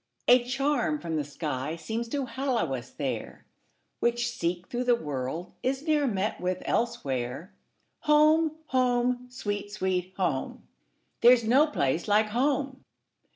A charm from the sky seems to hallow us there, Which, seek through the world, is ne'er met with elsewhere. Home! home! sweet, sweet home! There 's no place like home!